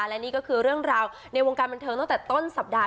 และนี่ก็คือเรื่องราวในวงการบันเทิงตั้งแต่ต้นสัปดาห